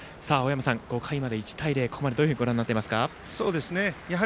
５回まで１対０、ここまでどうご覧になっていますか。